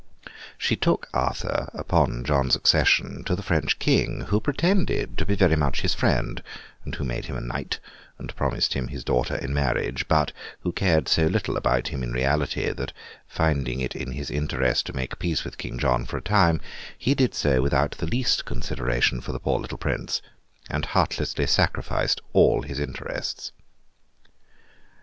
She took Arthur, upon John's accession, to the French King, who pretended to be very much his friend, and who made him a Knight, and promised him his daughter in marriage; but, who cared so little about him in reality, that finding it his interest to make peace with King John for a time, he did so without the least consideration for the poor little Prince, and heartlessly sacrificed all his interests.